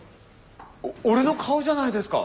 お俺の顔じゃないですか！